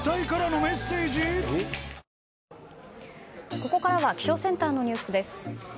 ここからは気象センターのニュースです。